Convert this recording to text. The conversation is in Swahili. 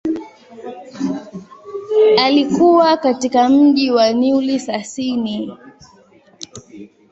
Alikua katika mji wa Neuilly-sur-Seine.